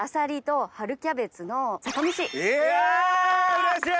うれしい！